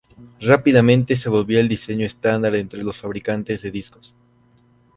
Rápidamente se volvió el diseño estándar entre los fabricantes de discos.